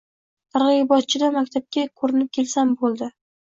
Targ‘ibotchida maktabga ko‘rinib kelsam bo‘ldi.